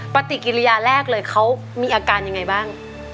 ปฏิกิริยาแรกเลยเขามีอาการยังไงบ้าง